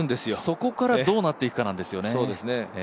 そこからどうなっていくかなんですよね。